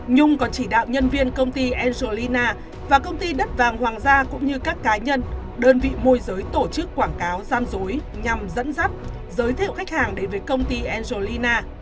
nhung còn chỉ đạo nhân viên công ty angelina và công ty đất vàng hoàng gia cũng như các cá nhân đơn vị môi giới tổ chức quảng cáo gian dối nhằm dẫn dắt giới thiệu khách hàng đến với công ty angelina